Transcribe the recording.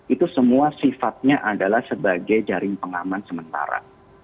itu semua sifatnya adalah sebagai jaring pengaman sementara